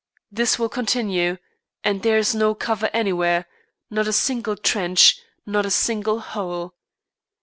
This will continue, and there is no cover anywhere, not a single trench, not a single hole.